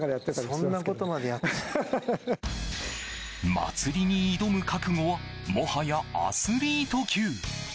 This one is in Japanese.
祭りに挑む覚悟はもはやアスリート級。